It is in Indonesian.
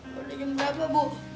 waktu jam berapa bu